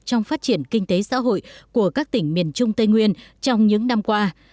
trong phát triển kinh tế xã hội của các tỉnh miền trung tây nguyên trong những năm qua